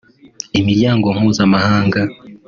imiryango mpuzamahanga